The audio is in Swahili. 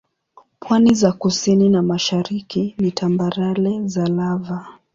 Pwani za kusini na mashariki ni tambarare za lava.